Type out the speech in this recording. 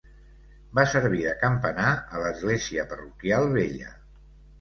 Va servir de campanar a l'església parroquial vella.